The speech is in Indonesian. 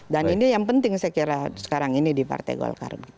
dan ini yang penting saya kira sekarang ini di partai golkar